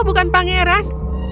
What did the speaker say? kau bukan pangeran